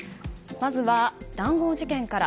まずは、談合事件から。